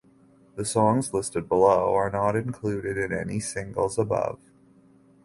The songs listed below are not included in any singles above.